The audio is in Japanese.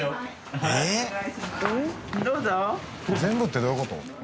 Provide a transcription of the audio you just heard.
全部ってどういう事？